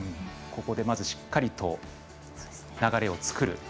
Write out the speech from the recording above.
ここでしっかりと流れを作る。